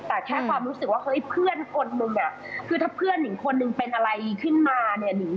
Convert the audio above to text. แต่แค่ความรู้สึกว่าเฮ้ยเพื่อนคนนึงอ่ะคือถ้าเพื่อนหญิงคนหนึ่งเป็นอะไรขึ้นมาเนี่ย